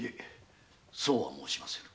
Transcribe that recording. そうは申しませぬ。